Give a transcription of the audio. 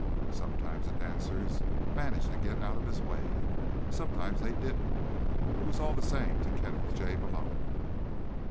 Sometimes the dancers managed to get out of his way. Sometimes they didn't. It was all the same to Kenneth J. Malone.